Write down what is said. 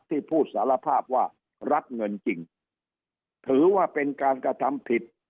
ที่พูดสารภาพว่ารับเงินจริงถือว่าเป็นการกระทำผิด